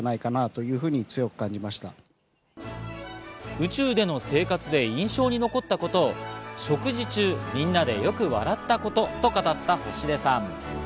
宇宙での生活で印象に残ったことを食事中、みんなでよく笑ったことと語った星出さん。